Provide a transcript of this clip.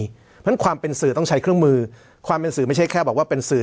เพราะฉะนั้นความเป็นสื่อต้องใช้เครื่องมือความเป็นสื่อไม่ใช่แค่บอกว่าเป็นสื่อ